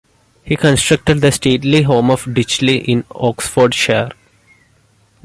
He constructed the stately home of Ditchley in Oxfordshire.